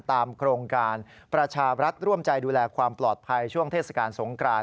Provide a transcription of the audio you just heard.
โครงการประชารัฐร่วมใจดูแลความปลอดภัยช่วงเทศกาลสงกราน